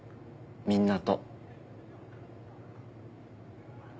みんなと。